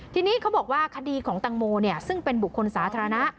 ทีนี้เขาบอกว่าคดีของตังโมซึ่งเป็นบุคคลสาธารณะ